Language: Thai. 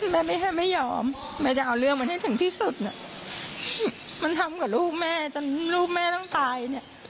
แม่ไม่ให้ไม่ยอมแม่จะเอาเรื่องมันให้ถึงที่สุดมันทำกับลูกแม่จนลูกแม่ต้องตายเนี่ย